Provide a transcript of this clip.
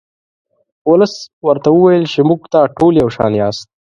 ولس ورته وویل چې موږ ته ټول یو شان یاست.